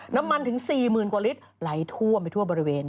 น้ำมันถึง๔๐๐๐กว่าลิตรไหลท่วมไปทั่วบริเวณ